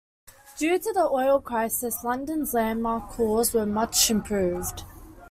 Due to the oil crisis London's landmark halls were much improved.